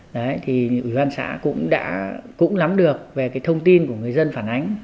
đấy thì ủy ban xã cũng lắm được về cái thông tin của người dân phản ánh